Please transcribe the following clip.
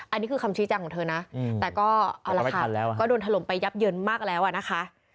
อันนี้คือคำชี้แจงของเธอนะแต่ก็เอาละค่ะก็โดนถล่มไปยับเยินมากแล้วอะนะคะ